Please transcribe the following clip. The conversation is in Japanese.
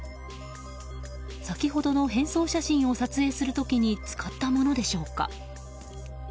先ほどの変装写真を撮影する時に使ったものでしょうか。